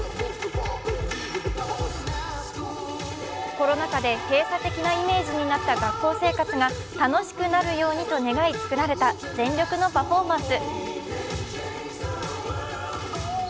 コロナ禍で閉鎖的なイメージになった学校生活が楽しくなるようにと願いつくられた全力のパフォーマンス。